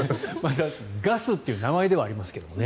ガスという名前ではありますけどね。